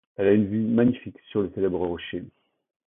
Elle a une vue magnifique sur le célèbre rocher.